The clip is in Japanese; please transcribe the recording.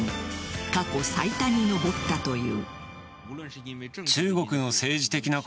過去最多に上ったという。